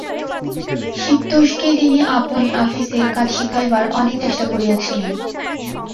শিবতোষকে তিনি আপন আপিসে কাজ শিখাইবার অনেক চেষ্টা করিয়াছিলেন।